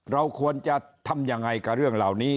เราควรจะทำยังไงกับเรื่องเหล่านี้